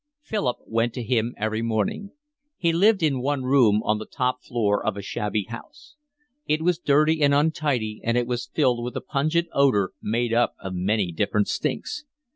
Philip went to him every morning. He lived in one room on the top floor of a shabby house. It was dirty and untidy, and it was filled with a pungent odour made up of many different stinks.